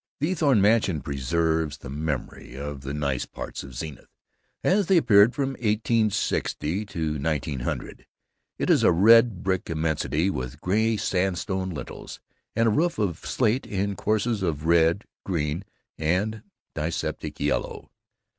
The Eathorne Mansion preserves the memory of the "nice parts" of Zenith as they appeared from 1860 to 1900. It is a red brick immensity with gray sandstone lintels and a roof of slate in courses of red, green, and dyspeptic yellow.